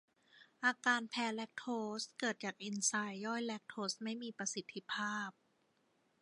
อาการแพ้แลคโทสเกิดจากเอนไซม์ย่อยแลคโทสไม่มีประสิทธิภาพ